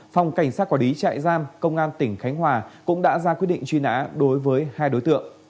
phòng cảnh sát quản lý trại giam công an tỉnh khánh hòa cũng đã ra quyết định truy nã đối với hai đối tượng